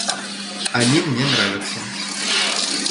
Они мне нравятся.